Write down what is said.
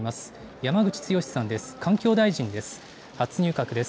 山口壯さんです。